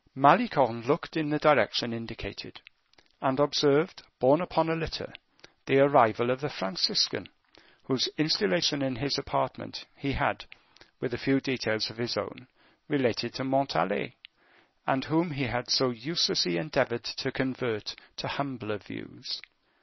Malicorne looked in the direction indicated, and observed borne upon a litter, the arrival of the Franciscan, whose installation in his apartment he had, with a few details of his own, related to Montalais, and whom he had so uselessly endeavored to convert to humbler views.